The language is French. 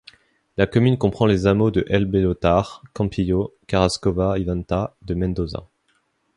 La commune comprend les hameaux de El Bellotar, Campillo, Carrascosa y Venta de Mendoza.